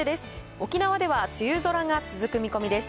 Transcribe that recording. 沖縄では梅雨空が続く見込みです。